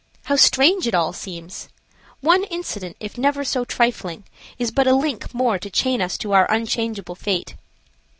How strange it all seems! One incident, if never so trifling, is but a link more to chain us to our unchangeable fate.